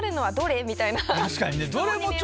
確かにね。